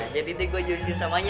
jadi deh gue jodohin samanya